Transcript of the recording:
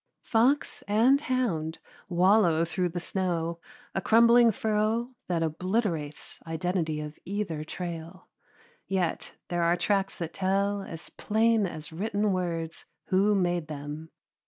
Fox and hound wallow through the snow a crumbling furrow that obliterates identity of either trail, yet there are tracks that tell as plain as written words who made them.